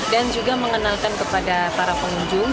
dan juga mengenalkan kepada para pengunjung